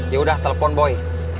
yaudah telepon boy